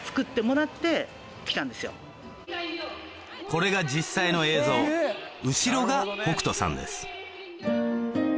これが実際の映像後ろが北斗さんです